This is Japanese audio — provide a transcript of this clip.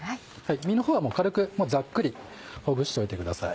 身の方は軽くざっくりほぐしておいてください。